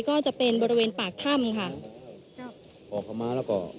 ก็จะเป็นบริเวณปากท่ำค่ะ